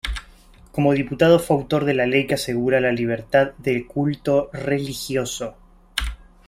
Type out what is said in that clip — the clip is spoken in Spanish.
Como diputado fue autor de la ley que asegura la libertad de culto religioso.